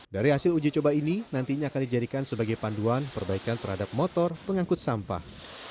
dari hasil uji coba ini nantinya akan dijadikan sebagai panduan perbaikan terhadap motor pengangkut sampah